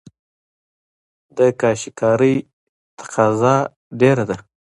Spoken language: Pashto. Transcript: د کاشي کارۍ تقاضا ډیره ده